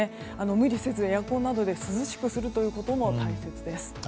無理せずエアコンなどで涼しくすることも大切です。